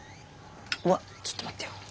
わっちょっと待ってよ。